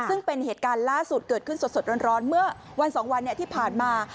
ซึ่งเป็นเหตุการณ์ล่าสุดเกิดขึ้นสดร้อนเมื่อวัน๒วันที่ผ่านมา